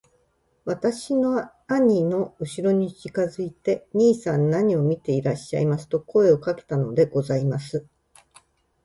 私は兄のうしろに近づいて『兄さん何を見ていらっしゃいます』と声をかけたのでございます。